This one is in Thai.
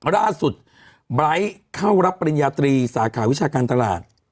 ล่าสุดไบร้ายได้เข้ารับปริญญาตรีสาขาวิทยาการตลาด